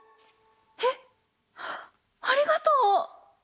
えっありがとう！